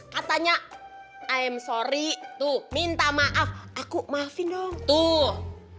katanya ayam sorry tuh minta maaf aku maafin dong tuh